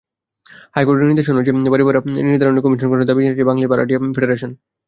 হাইকোর্টের নির্দেশনা অনুযায়ী বাড়িভাড়া নির্ধারণে কমিশন গঠনের দাবি জানিয়েছে বাংলাদেশ ভাড়াটিয়া ফেডারেশন।